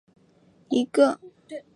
单瘤酸模为蓼科酸模属下的一个种。